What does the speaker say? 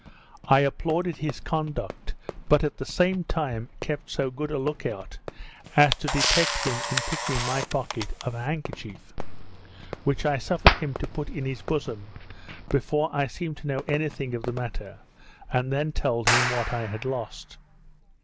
I applauded his conduct, but at the same time kept so good a look out, as to detect him in picking my pocket of an handkerchief; which I suffered him to put in his bosom before I seemed to know any thing of the matter, and then told him what I had lost.